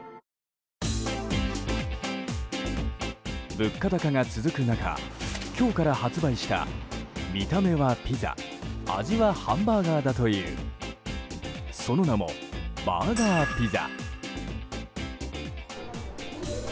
物価高が続く中今日から発売した見た目はピザ味はハンバーガーだというその名もバーガーピザ。